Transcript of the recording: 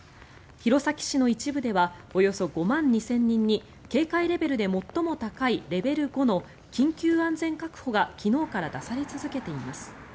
弘前市の一部ではおよそ５万２０００人に警戒レベルで最も高いレベル５の緊急安全確保が昨日から出され続けています。